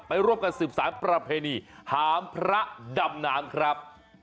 ร่วมกันสืบสารประเพณีหามพระดำน้ำครับ